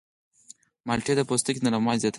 مالټې د پوستکي نرموالی زیاتوي.